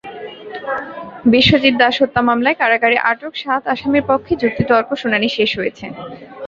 বিশ্বজিৎ দাস হত্যা মামলায় কারাগারে আটক সাত আসামির পক্ষে যুক্তিতর্ক শুনানি শেষ হয়েছে।